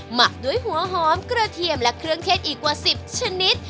หมักด้วยหัวหอมกระเทียมและเครื่องเทศอีกกว่า๑๐ชนิด